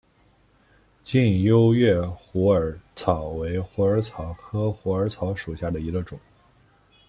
近优越虎耳草为虎耳草科虎耳草属下的一个种。